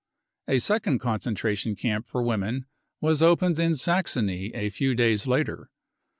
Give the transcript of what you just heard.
A second concentration camp for women was opened in Saxony a few days later.